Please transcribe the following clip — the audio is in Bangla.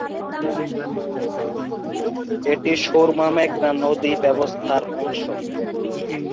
এটি সুরমা-মেঘনা নদী ব্যবস্থার অংশ।